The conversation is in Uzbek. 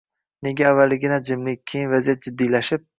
Nega avvaliga jimlik, keyin, vaziyat jiddiylashib